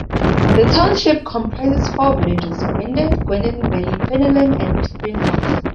The township comprises four villages: Gwynedd, Gwynedd Valley, Penllyn, and Spring House.